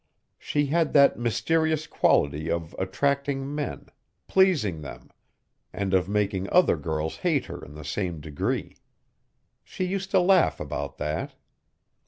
She had that mysterious quality of attracting men, pleasing them and of making other girls hate her in the same degree. She used to laugh about that.